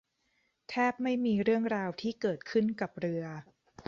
แทบไม่มีเรื่องราวที่เกิดขึ้นกับเรือ